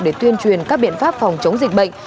để tuyên truyền các biện pháp phòng chống dịch bệnh